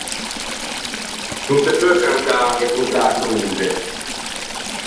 No se peu cantâ e portâ a croxe.